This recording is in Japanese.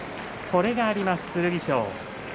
これがあります、剣翔。